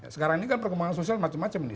sekarang ini kan perkembangan sosial macam macam nih